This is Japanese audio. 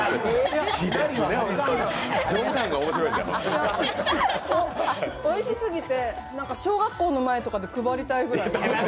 吉住かおいしすぎて小学校の前とかで配りたいぐらい。